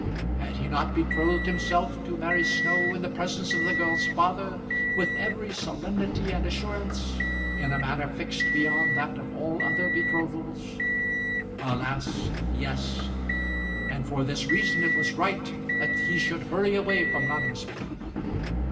Had he not betrothed himself to Mary Snow in the presence of the girl's father, with every solemnity and assurance, in a manner fixed beyond that of all other betrothals? Alas, yes; and for this reason it was right that he should hurry away from Noningsby.